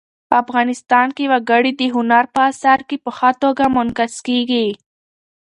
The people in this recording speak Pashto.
افغانستان کې وګړي د هنر په اثار کې په ښه توګه منعکس کېږي.